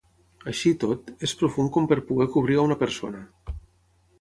Així i tot, és profund com per poder cobrir a una persona.